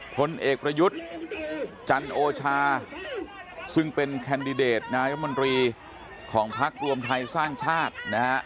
ผลเอกประยุทธ์จันโอชาซึ่งเป็นแคนดิเดตนายมนตรีของพักรวมไทยสร้างชาตินะฮะ